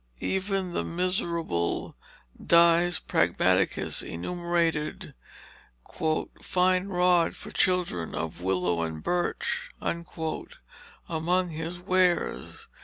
Even that miserable Dyves Pragmaticus enumerated "Fyne Rod for Children of Wyllow and Burche" among his wares.